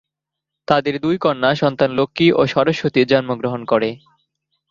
তাদের দুই কন্যা সন্তান লক্ষ্মী ও সরস্বতী জন্মগ্রহণ করে।